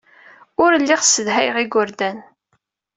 Ur lliɣ ssedhayeɣ igerdan.